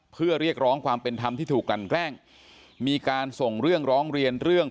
เพื่อเรียกร้องความเป็นธรรมที่ถูกกลั่นแกล้งมีการส่งเรื่องร้องเรียนเรื่อง